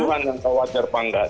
sempatuhan yang wajar apa nggak